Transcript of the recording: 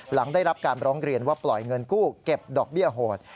หลังได้รับการร้องเรียนว่าปล่อยเงินกู้เก็บดอกเบี้ยโหด